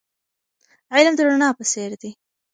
علم د رڼا په څېر دی.